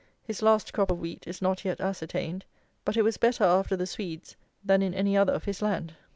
His last crop of wheat is not yet ascertained; but it was better after the Swedes than in any other of his land.